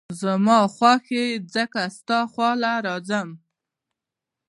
او زما خوښ ئې ځکه ستا خواله راځم ـ